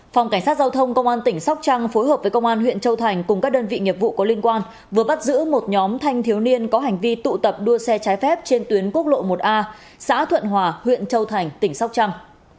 phòng cảnh sát giao thông công an tỉnh sóc trăng phối hợp với công an huyện châu thành cùng các đơn vị nghiệp vụ có liên quan vừa bắt giữ một nhóm thanh thiếu niên có hành vi tụ tập đua xe trái phép trên tuyến quốc lộ một a xã thuận hòa huyện châu thành tỉnh sóc trăng